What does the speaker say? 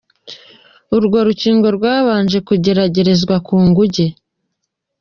Urwo rukingo rwabanjwe kugeragezwa ku nguge .